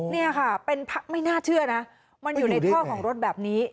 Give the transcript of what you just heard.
นี่ค่ะเป็นพักไม่น่าเชื่อนะมันอยู่ในท่อของรถแบบนี้